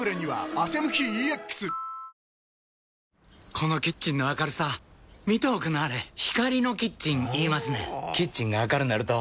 このキッチンの明るさ見ておくんなはれ光のキッチン言いますねんほぉキッチンが明るなると・・・